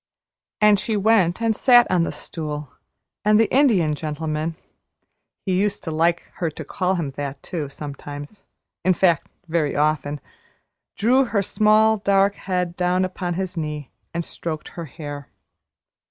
And she went and sat on the stool, and the Indian Gentleman (he used to like her to call him that, too, sometimes, in fact very often) drew her small, dark head down upon his knee and stroked her hair.